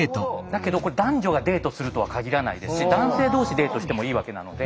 だけど男女がデートするとは限らないですし男性同士デートしてもいいわけなので。